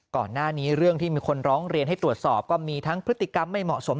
ก่อนหน้านี้เรื่องที่มีคนร้องเรียนให้ตรวจสอบก็มีทั้งพฤติกรรมไม่เหมาะสม